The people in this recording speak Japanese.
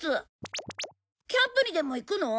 キャンプにでも行くの？